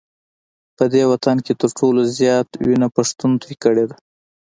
په دې وطن کي تر ټولو زیاته وینه پښتون توی کړې ده